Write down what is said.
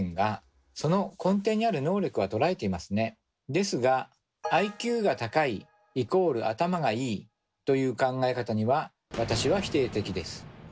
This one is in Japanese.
ですが「ＩＱが高い＝頭がいい」という考え方には私は否定的です。